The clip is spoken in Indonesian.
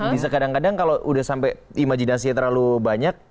bisa kadang kadang kalau udah sampai imajinasinya terlalu banyak